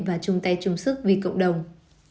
và chung tay chung sức vì cộng đồng